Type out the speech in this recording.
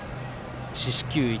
四死球１